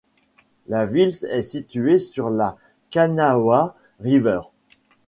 La ville est située sur la Kanawha River.